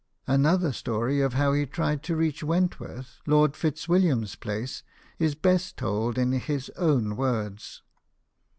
Another story of how he tried to reach Wentworth, Lord Fitzwilliam's place, is best told in his own words.